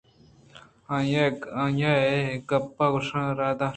آئی ءَ گپ گوش نہ داشت